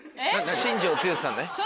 新庄剛志さんね。